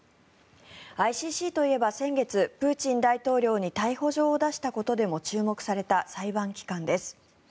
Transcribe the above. ＩＣＣといえば先月プーチン大統領に逮捕状を出したことでも注目された裁判機関です。